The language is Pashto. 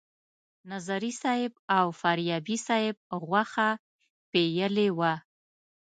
نظري صیب او فاریابي صیب غوښه پیلې وه.